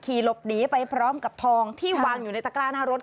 หลบหนีไปพร้อมกับทองที่วางอยู่ในตะกร้าหน้ารถ